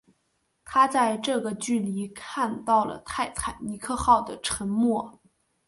他在这个距离看到了泰坦尼克号的沉没。